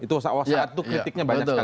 itu saat itu kritiknya banyak sekali